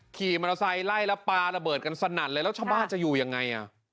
ขี่มอเตอร์ไซค์ไล่แล้วปลาระเบิดกันสนั่นเลยแล้วชาวบ้านจะอยู่ยังไง